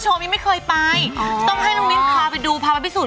จะไม่เคยไปต้องมีไปดูบางขั้น